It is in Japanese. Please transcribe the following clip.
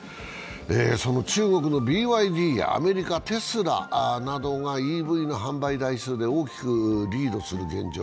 その中国のＢＹＤやアメリカ・テスラなどがＥＶの販売台数で大きくリードする現状。